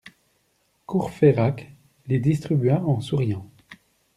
Courfeyrac les distribua en souriant.